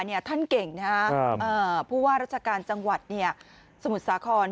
เนี่ยท่านเก่งนะฮะเอ่อพูดว่ารัชการจังหวัดเนี่ยสมุทรสาคอน